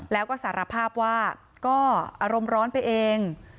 แล้วก็สารภาพว่าก็อารมณ์ร้อนไปเอง